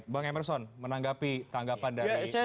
bang emerson menanggapi tanggapan dari bang asri